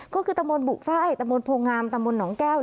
ก็คือตำบลบุฟ้าไอตำบลโพงงามตำบลหนองแก้ว